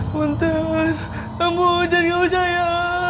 punten ampun jangan gak usah ya